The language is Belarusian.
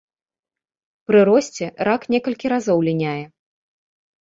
Пры росце рак некалькі разоў ліняе.